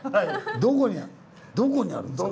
どこにどこにあるんですか？